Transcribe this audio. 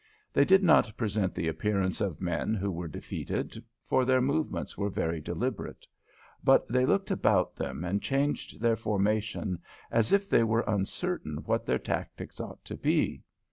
They did not present the appearance of men who were defeated, for their movements were very deliberate, but they looked about them and changed their formation as if they were uncertain what their tactics ought to be.